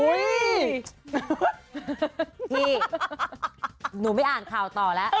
นี่หนูไม่อ่านค่าวต่อละ